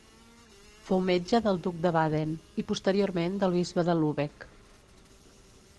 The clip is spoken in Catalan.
Fou metge del duc de Baden i, posteriorment, del bisbe de Lübeck.